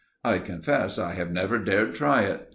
I confess I have never dared try it.